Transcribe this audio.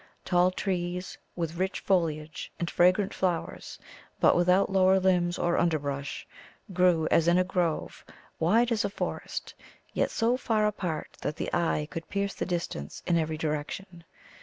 Tall trees with rich foliage and fragrant flowers, but without lower limbs or underbrush, grew as in a grove, wide as a forest, yet so far apart that the eye coidd pierce the distance in every direction.